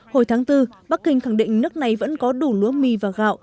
hồi tháng bốn bắc kinh khẳng định nước này vẫn có đủ lúa mì và gạo